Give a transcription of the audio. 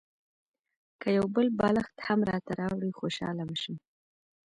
که یو بل بالښت هم راته راوړې خوشاله به شم.